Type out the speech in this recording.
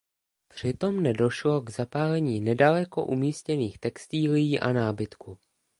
Přitom nedošlo k zapálení nedaleko umístěných textilií a nábytku.